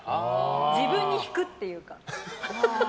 自分に引くというか。